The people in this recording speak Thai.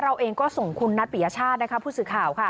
เราเองก็ส่งคุณนัทปิยชาติผู้สื่อข่าวค่ะ